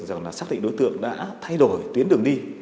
rằng là xác định đối tượng đã thay đổi tuyến đường đi